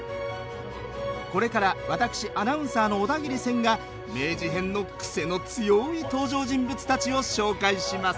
これから私アナウンサーの小田切千が明治編の癖の強い登場人物たちを紹介します。